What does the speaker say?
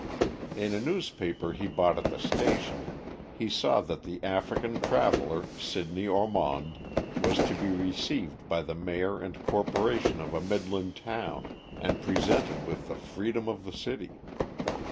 In a newspaper he bought at the station, he saw that the African traveller, Sidney Ormond, was to be received by the Mayor and Corporation of a Midland town, and presented with the freedom of the city.